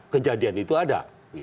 kejadian itu ada